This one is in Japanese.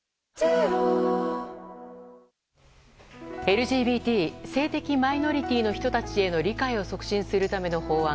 ＬＧＢＴ・性的マイノリティーの人たちへの理解を促進するための法案。